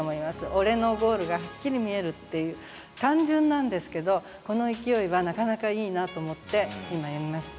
「俺のゴールがはっきり見える」っていう単純なんですけどこの勢いはなかなかいいなと思って今読みました。